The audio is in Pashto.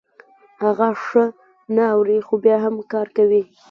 هغه ښه نه اوري خو بيا هم کار کوي.